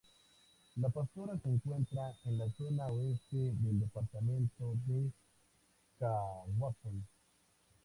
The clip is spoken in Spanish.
La Pastora se encuentra en la zona oeste del departamento de Caaguazú.